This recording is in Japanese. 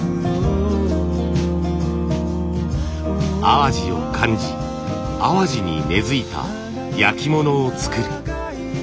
淡路を感じ淡路に根づいた焼き物を作る。